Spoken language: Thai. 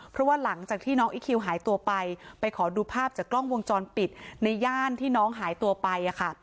เพราะว่าหลังจากที่น้องอีคิวหายตัวไปไปขอดูภาพจากกล้องวงจรปิดในย่านที่น้องหายตัวไป